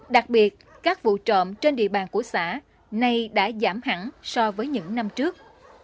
đặc biệt các vụ trộm trên địa bàn của xã nay đã giảm hẳn so với những năm trước